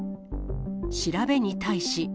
調べに対し。